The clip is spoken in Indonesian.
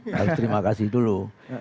harus terima kasih dulu